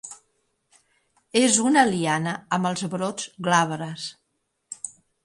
És una liana amb els brots glabres.